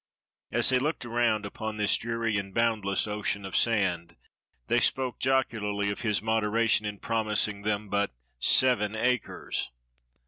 As they looked around upon this dreary and boundless ocean of sand, they spoke jocularly of his moderation in promising them but seven acres.